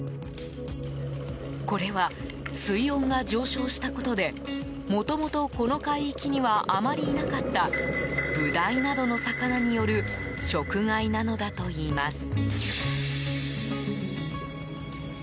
これは、水温が上昇したことでもともとこの海域にはあまりいなかったブダイなどの魚による食害なのだといいます。